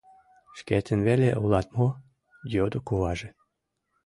— Шкетын веле улат мо? — йодо куваже.